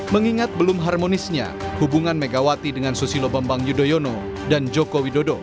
mengingat belum harmonisnya hubungan megawati dengan susilo bambang yudhoyono dan joko widodo